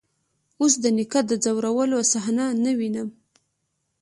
اوس د نيکه د ځورولو صحنه نه وينم.